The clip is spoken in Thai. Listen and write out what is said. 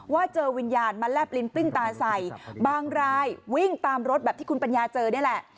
เจอวิญญาณมาแลบลิ้นปลิ้นตาใส่บางรายวิ่งตามรถแบบที่คุณปัญญาเจอนี่แหละ